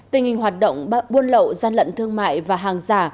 tình hình hoạt động buôn lậu gian lận thương mại và hàng giả